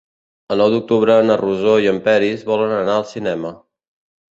El nou d'octubre na Rosó i en Peris volen anar al cinema.